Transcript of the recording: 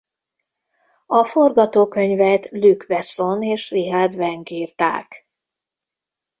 A forgatókönyvet Luc Besson és Richard Wenk írták.